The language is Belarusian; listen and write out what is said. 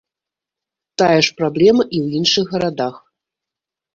Тая ж праблема і ў іншых гарадах.